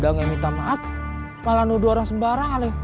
nggak nge minta maaf malah nuduh orang sembarang alih